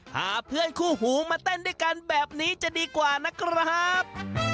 พาเพื่อนคู่หูมาเต้นด้วยกันแบบนี้จะดีกว่านะครับ